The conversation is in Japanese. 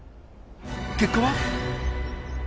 結果は？